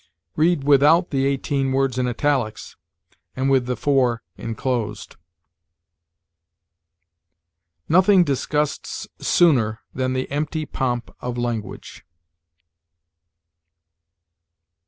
Read without the eighteen words in italics and with the four inclosed. "Nothing disgusts sooner than the empty pomp of language."